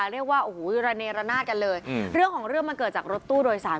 เรียกว่าโอ้โหระเนรนาศกันเลยเรื่องของเรื่องมันเกิดจากรถตู้โดยสาร